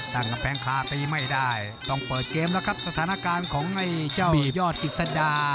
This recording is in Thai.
กำแพงคาตีไม่ได้ต้องเปิดเกมแล้วครับสถานการณ์ของไอ้เจ้ายอดกิจสดา